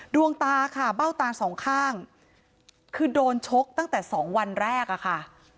ดวงตาค่ะเบ้าตาสองข้างคือโดนชกตั้งแต่สองวันแรกอะค่ะ